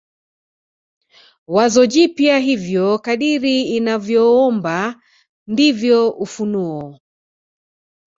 wazo jipya Hivyo kadri unavyoomba ndivyo ufunuo